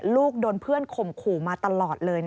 ลูกโดนเพื่อนข่มขู่มาตลอดเลย